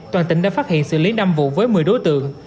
toàn tỉnh đã phát hiện xử lý năm vụ với một mươi đối tượng